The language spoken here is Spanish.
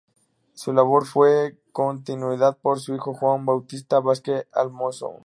Su labor fue continuada por su hijo Juan Bautista Vázquez el Mozo.